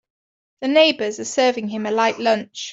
The neighbors are serving him a light lunch.